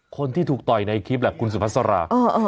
คนที่ถูกต่อยในคลิปแหละคุณสุภาษารา